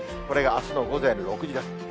これがあすの午前６時です。